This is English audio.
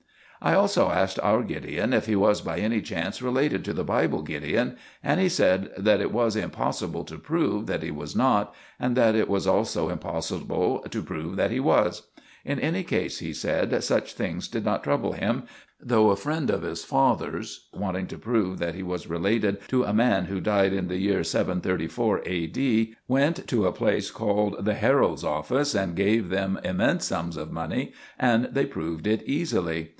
I also asked our Gideon if he was by any chance related to the Bible Gideon, and he said that it was impossible to prove that he was not, and that it was also impossible to prove that he was. In any case, he said, such things did not trouble him, though a friend of his father's, wanting to prove that he was related to a man who died in the year 734 A.D., went to a place called the Herald's Office and gave them immense sums of money, and they proved it easily.